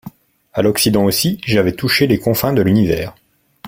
À l'occident aussi, j'avais touché les confins de l'univers